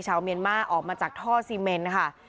ชาวเมียนมาออกมาจากท่อซีเมนค่ะ